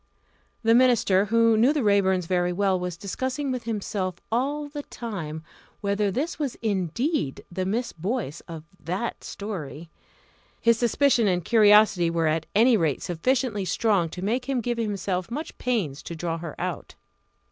The minister, who knew the Raeburns very well, was discussing with himself all the time whether this was indeed the Miss Boyce of that story. His suspicion and curiosity were at any rate sufficiently strong to make him give himself much pains to draw her out.